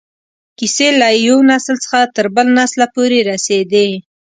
کیسې له یو نسل څخه تر بل نسله پورې رسېدې.